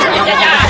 jalan jalan jalan